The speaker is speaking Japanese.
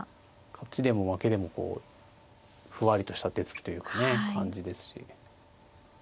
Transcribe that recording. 勝ちでも負けでもふわりとした手つきというかね感じですし。